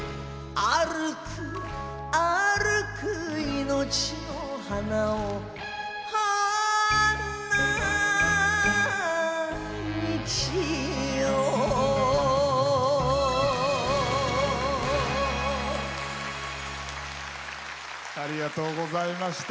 歩く命の花を花道をありがとうございました。